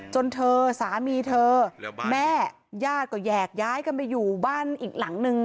จนเธอสามีเธอแม่ญาติก็แยกย้ายกันไปอยู่บ้านอีกหลังนึง